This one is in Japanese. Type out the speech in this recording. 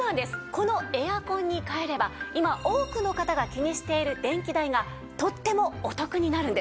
このエアコンに変えれば今多くの方が気にしている電気代がとってもお得になるんです。